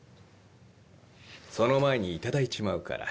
その前に頂いちまうから。